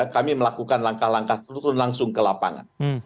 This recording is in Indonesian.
kami melakukan langkah langkah turun langsung ke lapangan